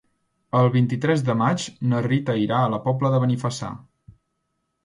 El vint-i-tres de maig na Rita irà a la Pobla de Benifassà.